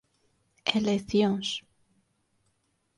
Eleccións